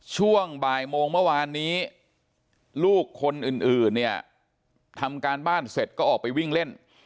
ช่วงบ่ายโมงเมื่อวานนี้ลูกคนอื่นเนี่ยทำการบ้านเสร็จก็ออกไปวิ่งเล่น